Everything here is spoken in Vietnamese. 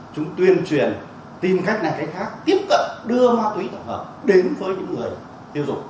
chúng tuyên truyền tìm cách này cách khác tiếp cận đưa ma túy tổng hợp đến với những người tiêu dùng